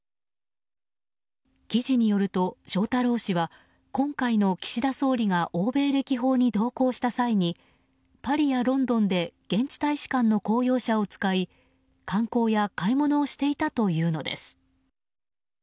記事によると翔太郎氏は今回の、岸田総理が欧米歴訪に同行した際にパリやロンドンで現地大使館の公用車を使い観光や買い物をしていたというのです。